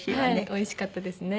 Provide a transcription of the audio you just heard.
おいしかったですね。